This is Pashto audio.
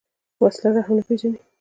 وسله رحم نه پېژني